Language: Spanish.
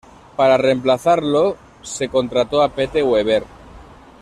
Para reemplazarlo, se contrató a Pete Webber.